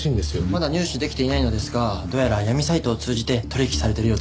まだ入手できていないのですがどうやら闇サイトを通じて取引されているようです。